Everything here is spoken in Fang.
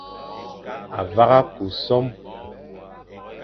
A vagha ku som,